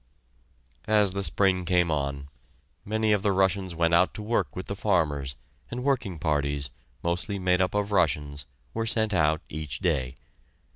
As the spring came on, many of the Russians went out to work with the farmers, and working parties, mostly made up of Russians, were sent out each day.